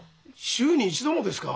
週に一度もですか？